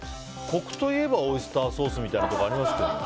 コクといえばオイスターソースみたいなところありますけどね。